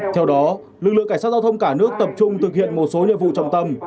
theo đó lực lượng cảnh sát giao thông cả nước tập trung thực hiện một số nhiệm vụ trọng tâm